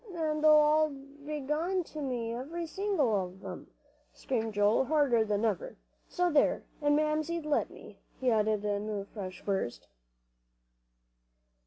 "An' they all b'long to me, every single one of 'em," screamed Joel, harder than ever, "so there! an' Mamsie'd let me," he added in a fresh burst.